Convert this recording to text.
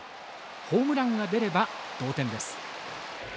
ホームランが出れば同点です。